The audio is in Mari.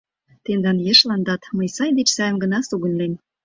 Тендан ешландат мый сай деч сайым гына сугыньлем!